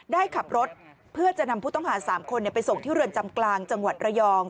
ได้ขับรถเพื่อจะนำผู้ต้องหา๓คนไปส่งที่เรือนจำกลางจังหวัดระยอง